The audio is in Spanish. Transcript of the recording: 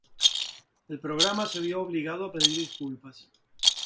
El programa se vio obligado a pedir disculpas.